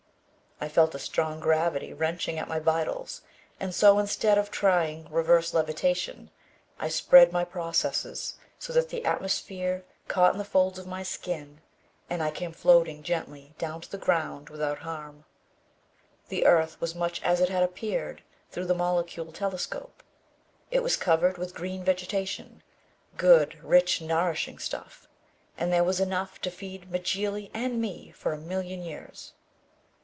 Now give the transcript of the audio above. I felt a strong gravity wrenching at my vitals and so instead of trying reverse levitation, I spread my processes so that the atmosphere caught in the folds of my skin and I came floating gently down to the ground without harm. The earth was much as it had appeared through the molecule telescope. It was covered with green vegetation, good, rich, nourishing stuff. And there was enough to feed Mjly and me for a million years.